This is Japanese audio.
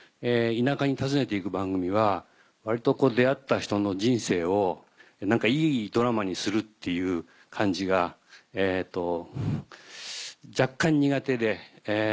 田舎に訪ねて行く番組は割と出会った人の人生をいいドラマにするっていう感じが若干苦手で。